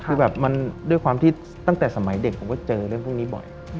คือแบบมันด้วยความที่ตั้งแต่สมัยเด็กผมก็เจอเรื่องพวกนี้บ่อย